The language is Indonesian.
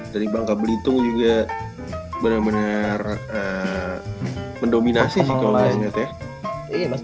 dari bangka belitung juga bener bener mendominasi sih kalo gue liat ya